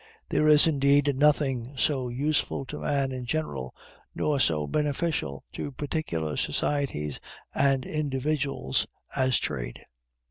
There is, indeed, nothing, so useful to man in general, nor so beneficial to particular societies and individuals, as trade.